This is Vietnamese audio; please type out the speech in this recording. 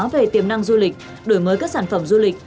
về tiềm năng du lịch đổi mới các sản phẩm du lịch